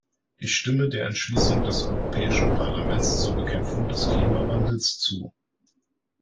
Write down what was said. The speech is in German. Ich stimme der Entschließung des Europäischen Parlaments zur Bekämpfung des Klimawandels zu.